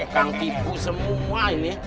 kang tipu semua ini